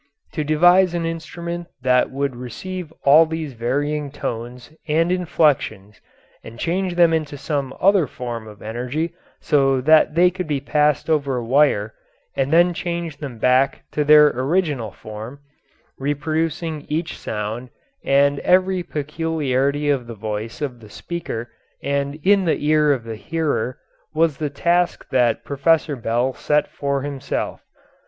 To devise an instrument that would receive all these varying tones and inflections and change them into some other form of energy so that they could be passed over a wire, and then change them back to their original form, reproducing each sound and every peculiarity of the voice of the speaker in the ear of the hearer, was the task that Professor Bell set for himself.